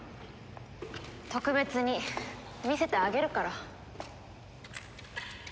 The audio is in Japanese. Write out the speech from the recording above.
特別に見せてあげるから。